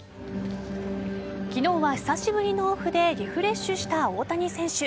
昨日は久しぶりのオフでリフレッシュした大谷選手。